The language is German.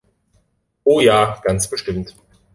Oh ja, ganz bestimmt!